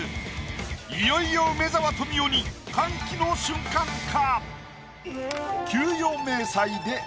いよいよ梅沢富美男に歓喜の瞬間か？